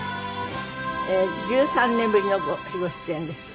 １３年ぶりのご出演です。